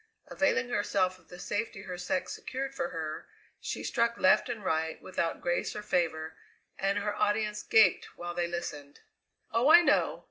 Availing herself of the safety her sex secured for her, she struck left and right without grace or favour, and her audience gaped while they listened. "Oh, I know!